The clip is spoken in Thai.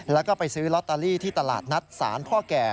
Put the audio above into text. แล้วก็ไปซื้อลอตเตอรี่ที่ตลาดนัดศาลพ่อแก่